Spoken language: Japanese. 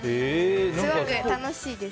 すごく楽しいです。